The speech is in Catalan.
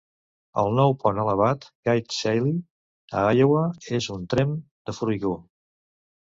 El nou pont elevat Kate Shelley, a Iowa, és un tremp de formigó.